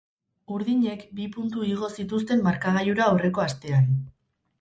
Urdinek bi puntu igo zituzten markagailura aurreko astean.